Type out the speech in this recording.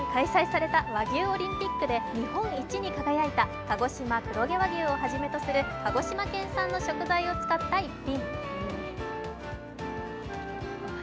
去年開催された和牛オリンピックで日本一に輝いた鹿児島黒毛和牛をはじめとする鹿児島県産の食材を使った逸品。